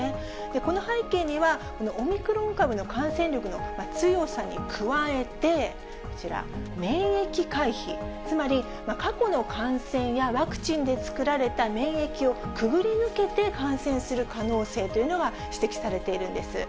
この背景には、オミクロン株の感染力の強さに加えて、こちら、免疫回避、つまり、過去の感染やワクチンで作られた免疫をくぐりぬけて感染する可能性というのが指摘されているんです。